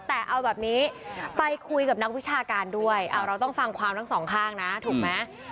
แต่เอาแบบนี้ไปคุยกับนักวิชาการด้วยเราต้องฟังความทั้งสองข้างนะถูกไหม